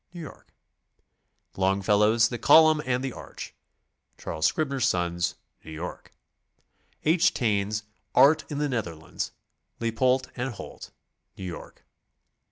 New York; Longfellow's "The Col umn and the Ardh," Charles Scribner's Sons, New York; H. Taine's "Art in the Netherlands," Leypoldt & Holt, New York.